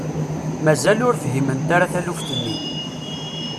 Mazal ur fhiment ara taluft-nni.